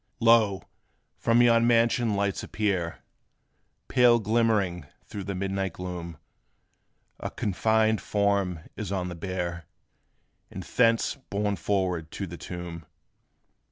Lo! from yon mansion lights appear, Pale glimmering through the midnight gloom. A coffined form is on the bier, And thence borne forward to the tomb.